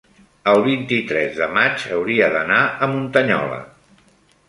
el vint-i-tres de maig hauria d'anar a Muntanyola.